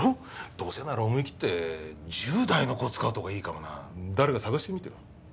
どうせなら思い切って１０代の子使うとかいいかもな誰か探してみてよ